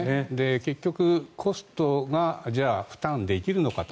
結局コストが負担できるのかと。